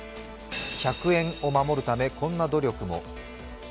１００円を守るため、こんな努力も。